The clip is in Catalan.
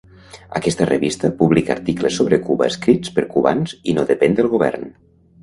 Aquesta revista publica articles sobre Cuba escrits per cubans i no depèn del govern.